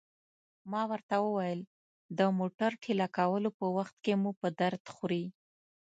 ما ورته وویل: د موټر ټېله کولو په وخت کې مو په درد خوري.